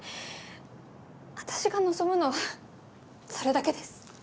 私が望むのはそれだけです。